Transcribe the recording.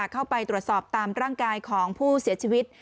เข้าไปตรวจสอบตามร่างกายของผู้เสียชีวิต